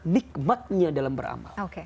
nikmatnya dalam beramal